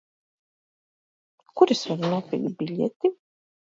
Kur es varu nopirkt biļeti?